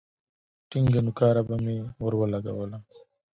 ټينگه نوکاره به مې ورولگوله.